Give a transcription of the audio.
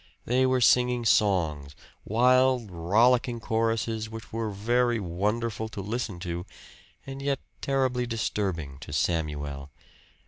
They were singing songs wild rollicking choruses which were very wonderful to listen to, and yet terribly disturbing to Samuel.